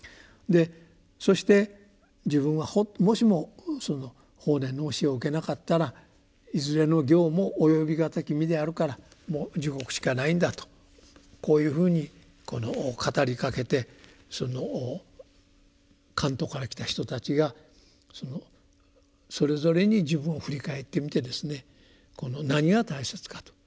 そして「自分はもしもその法然の教えを受けなかったらいずれの行も及び難き身であるからもう地獄しかないんだ」とこういうふうに語りかけてその関東から来た人たちがそれぞれに自分を振り返ってみてですね何が大切かと。